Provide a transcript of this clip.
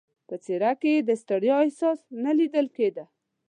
په څېره کې یې د ستړیا احساس نه لیدل کېده.